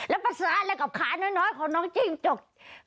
และประสาทแลกับขาน้อยของน้องจิ้งจก